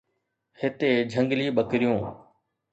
هتي جهنگلي ٻڪريون